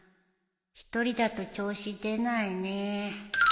一人だと調子出ないね。